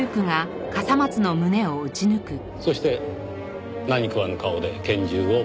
そして何食わぬ顔で拳銃を元に戻した。